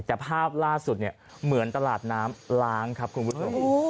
แต่ภาพล่าสุดเนี่ยเหมือนตลาดน้ำล้างครับคุณผู้ชม